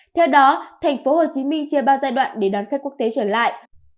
theo đó thành phố hồ chí minh chia ba giai đoạn để đón khách quốc tế trở lại